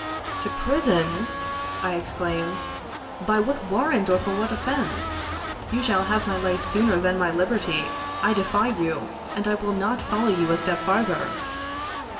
"To prison!" I exclaimed "by what warrant or for what offence? You shall have my life sooner than my liberty I defy you, and I will not follow you a step farther."